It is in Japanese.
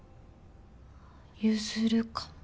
譲るかも。